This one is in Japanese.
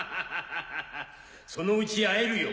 ・・そのうち会えるよ